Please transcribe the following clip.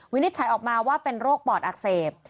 นิจฉัยออกมาว่าเป็นโรคปอดอักเสบ